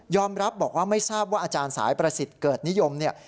รับบอกว่าไม่ทราบว่าอาจารย์สายประสิทธิ์เกิดนิยมเนี่ย